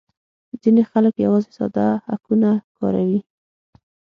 ځینې خلک یوازې ساده هکونه کاروي